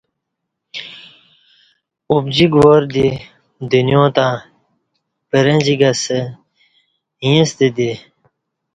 ابجیک وار دی دنیا تں پرجیک اسہ ییݩستہ دی